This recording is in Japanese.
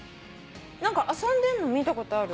何か遊んでんの見たことある。